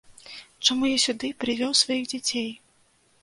Чаму я сюды прывёў сваіх дзяцей?